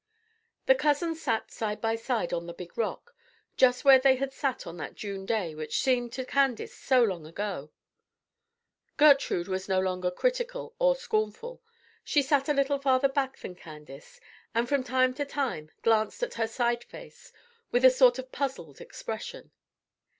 The cousins sat side by side on the big rock, just where they had sat on that June day which seemed to Candace so long ago. Gertrude was no longer critical or scornful. She sat a little farther back than Candace, and from time to time glanced at her side face with a sort of puzzled expression.